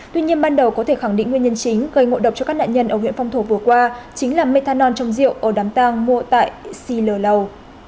tuy nhiên ban đầu có thể khẳng định nguyên nhân chính gây ngộ độc cho các nạn nhân ở huyện phong thổ vừa qua chính là methanol trong rượu ở đám tang mua tại xì lờ lầu